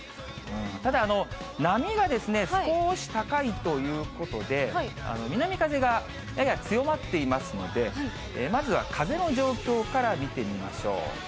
ただ、波が少し高いということで、南風がやや強まっていますので、まずは風の状況から見てみましょう。